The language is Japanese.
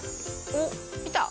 おっいた？